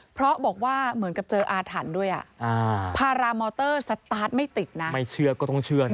เพราะบอกว่าเหมือนกับเจออาถรรพ์ด้วยพารามอเตอร์สตาร์ทไม่ติดนะไม่เชื่อก็ต้องเชื่อนะ